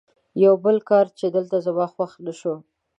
یو بل کار چې دلته زما خوښ نه شو.